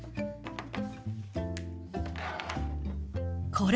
これ。